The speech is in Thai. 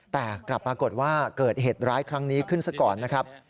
แต่กลับปรากฏว่าเกิดเหตุร้ายครั้งนี้ขึ้นซะก่อนนะครับ